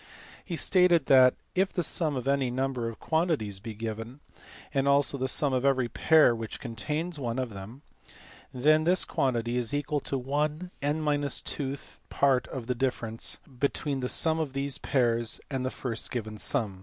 He stated that, if the sum of any number of quantities be given, and also the sum of every pair which contains one of them, then this quantity is equal to one (n 2)th part of the difference between the sum of these pairs and the first given sum.